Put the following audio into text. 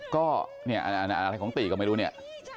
ก็อะไรของติ๊ก็ไม่รู้เนี่ย